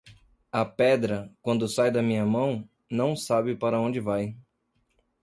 A pedra, quando sai da minha mão, não sabe para onde vai.